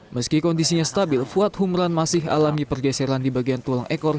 meski kondisinya stabil fuad humran masih alami pergeseran di bagian tulang ekor